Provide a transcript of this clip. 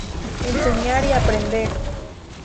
Enseñar y aprender.